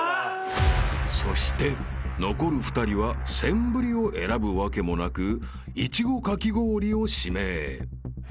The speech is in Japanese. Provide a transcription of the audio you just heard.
［そして残る２人はセンブリを選ぶわけもなくいちごかき氷を指名］